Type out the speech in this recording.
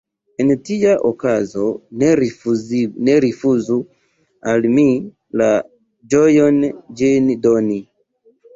En tia okazo ne rifuzu al mi la ĝojon ĝin doni.